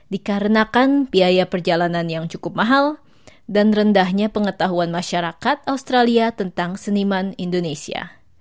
dikarenakan biaya perjalanan yang cukup mahal dan rendahnya pengetahuan masyarakat australia tentang seniman indonesia